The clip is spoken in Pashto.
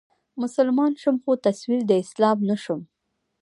مسلمان شوم خو تصوير د اسلام نه شوم